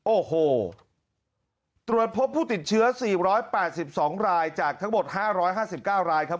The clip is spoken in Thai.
โอ้โหตรวจพบผู้ติดเชื้อศรีร้อยเปิดสิบสองรายจากทั้งหมดห้าร้อยห้าสิบเก้ารายครับ